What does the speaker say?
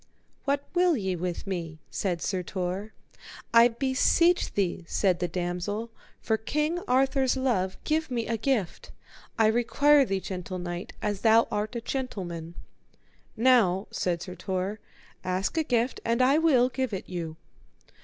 What will ye with me? said Sir Tor. I beseech thee, said the damosel, for King Arthur's love, give me a gift; I require thee, gentle knight, as thou art a gentleman. Now, said Tor, ask a gift and I will give it you.